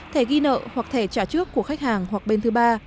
thẻ ghi nợ hoặc thẻ trả trước của khách hàng hoặc bên thứ ba